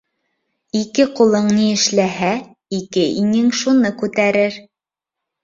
Ике ҡулың ни эшләһә, ике иңең шуны күтәрер.